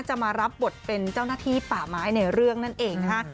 จะมารับบทเป็นเจ้าหน้าที่ป่าไม้ในเรื่องนั่นเองนะคะ